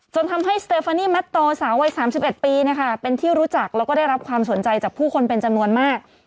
จนทำให้สเตฟานีแมทโตสาววัย๓๑ปีเป็นที่รู้จักแล้วก็ได้รับความสนใจจากผู้คนเป็นจำนวนมาก